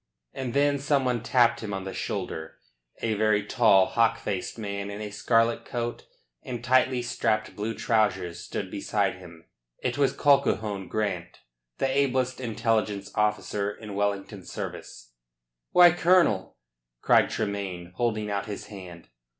And then some one tapped him on the shoulder. A very tall, hawk faced man in a scarlet coat and tightly strapped blue trousers stood beside him. It was Colquhoun Grant, the ablest intelligence officer in Wellington's service. "Why, Colonel!" cried Tremayne, holding out his hand.